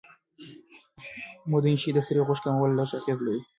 موندنې ښيي چې د سرې غوښې کمول لږ اغېز لري.